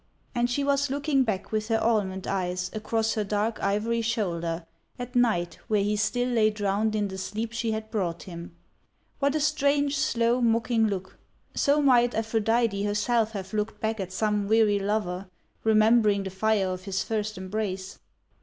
And she was looking back with her almond eyes, across her dark ivory shoulder, at Night where he still lay drowned in the sleep she had brought him. What a strange, slow, mocking look! So might Aphrodite herself have looked back at some weary lover, remembering the fire of his first embrace.